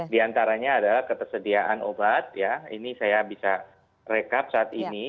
di antaranya adalah ketersediaan obat ya ini saya bisa rekap saat ini